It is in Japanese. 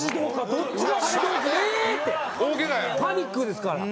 パニックですから。